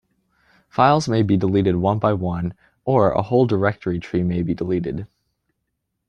Files may be deleted one-by-one, or a whole directory tree may be deleted.